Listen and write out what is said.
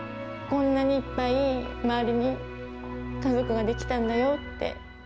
こんなにいっぱい周りに家族ができたんだよって。